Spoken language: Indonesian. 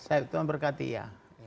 saya tuhan berkati ya